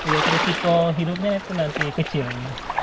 ya risiko hidupnya itu nanti kecil